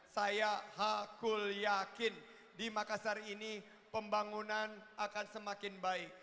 saya hakul yakin di makassar ini pembangunan akan semakin baik